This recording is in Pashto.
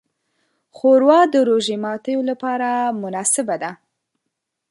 ښوروا د روژې د ماتیو لپاره مناسبه ده.